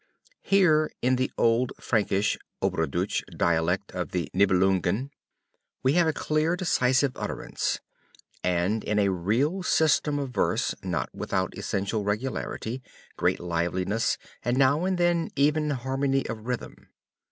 "Here in the old Frankish (Oberdeutsch) dialect of the Nibelungen, we have a clear decisive utterance, and in a real system of verse, not without essential regularity, great liveliness and now and then even harmony of rhythm.